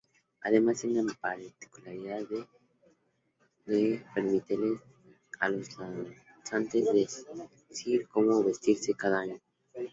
Además, tiene la particularidad de permitirles a los danzantes decidir cómo vestirse cada año.